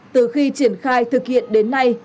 từ khi triển khai thực hiện đến nay